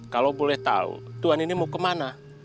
kalau boleh tahu tuhan ini mau kemana